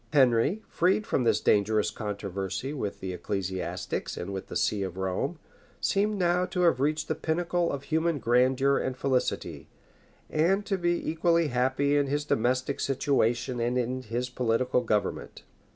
Henry, freed from this dangerous controversy with the ecclesiastics and with the see of Rome, seemed now to have reached the pinnacle of human grandeur and felicity, and to be equally happy in his domestic situation and in his political government.